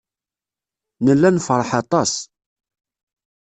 Nella nefṛeḥ aṭas.